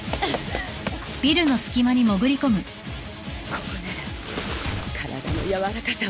ここなら体の柔らかさを生かして。